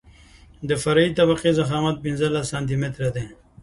د فرعي طبقې ضخامت پنځلس سانتي متره دی